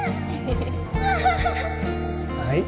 はい